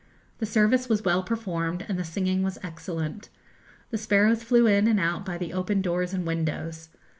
The service was well performed, and the singing was excellent. The sparrows flew in and out by the open doors and windows.